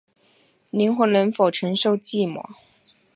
灵魂能否承受寂寞